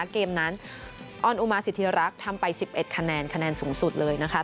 เกมนั้นออนอุมาสิทธิรักษ์ทำไป๑๑คะแนนคะแนนสูงสุดเลยนะคะ